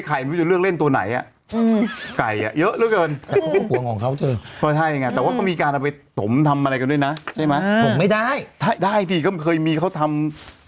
กาลาแมนก็ประมาณสัก๑๕ล้านบวกเข้าไป